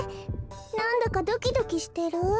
なんだかドキドキしてる？